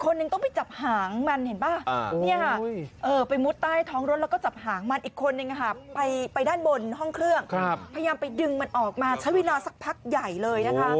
นี่ค่ะไปมุดใต้ท้องรถแล้วก็จับหางมันอีกคนเองค่ะไปด้านบนห้องเครื่องพยายามไปดึงมันออกมาใช้เวลาสักพักใหญ่เลยนะคะ